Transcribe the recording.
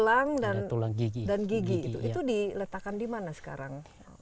ada tulang dan gigi itu diletakkan di mana sekarang